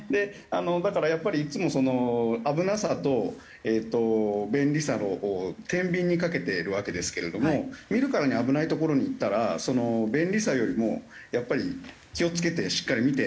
だからやっぱりいつもその危なさと便利さを天秤にかけてるわけですけれども見るからに危ない所に行ったら便利さよりもやっぱり気を付けてしっかり見て。